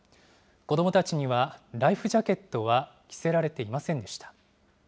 子どもたちにはライフジャケットは着せられていませんでした。